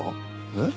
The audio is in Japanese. えっ？